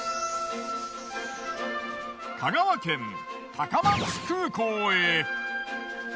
香川県高松空港へ。